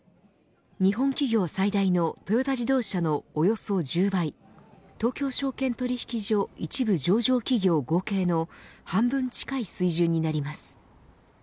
日本企業最大のトヨタ自動車のおよそ１０倍東京証券取引所１部上場企業合計の半分近い水準になります。